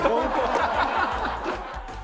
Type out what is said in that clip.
ハハハハ！